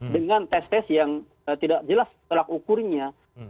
dengan tes tes yang tidak jelas telakukurnya